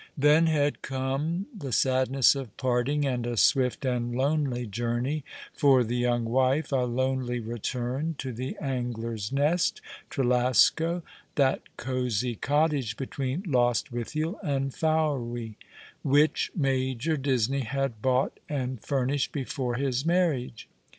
Then had come the sadness of parting, and a swift and lonely journey for the young wife — a lonely return to the Angler's Nest, Trelasco, that cosy cottage between Lost withiel and Fowey, which Major Disney had bought and furnished before his marriage.